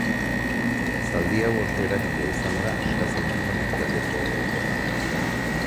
Zaldi hau oso erabilia izan da nekazal munduan Ekialdeko Europan.